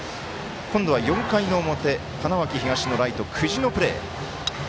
今度は４回の表、花巻東のライト久慈のプレー。